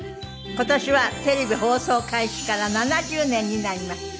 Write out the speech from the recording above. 今年はテレビ放送開始から７０年になります。